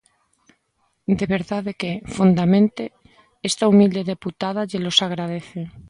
De verdade que, fondamente, esta humilde deputada llelos agradece.